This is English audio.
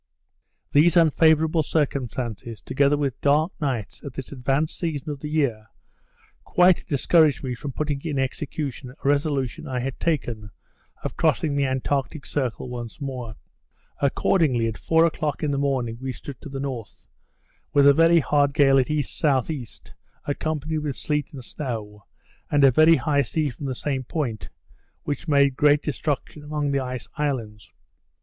These unfavourable circumstances, together with dark nights, at this advanced season of the year, quite discouraged me from putting in execution a resolution I had taken of crossing the Antarctic Circle once more. Accordingly, at four o'clock in the morning, we stood to the north, with a very hard gale at E.S.E., accompanied with snow and sleet, and a very high sea from the same point, which made great destruction among the ice islands.